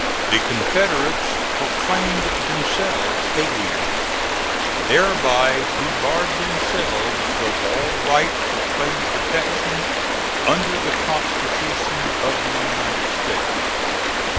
The Confederates proclaimed themselves aliens, and thereby debarred themselves of all right to claim protection under the Constitution of the United States.